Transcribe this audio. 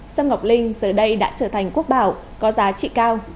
xâm ngọc linh giờ đây đã trở thành quốc bảo có giá trị cao